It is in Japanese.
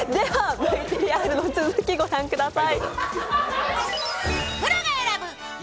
ＶＴＲの続き、御覧ください